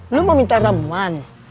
lu mau minta ramuan